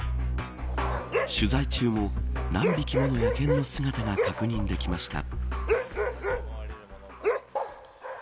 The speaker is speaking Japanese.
取材中も何匹もの野犬の姿が確認できました。